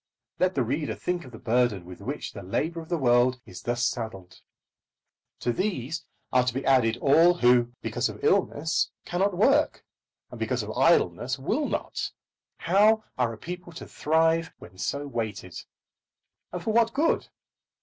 Let the reader think of the burden with which the labour of the world is thus saddled. To these are to be added all who, because of illness cannot work, and because of idleness will not. How are a people to thrive when so weighted? And for what good?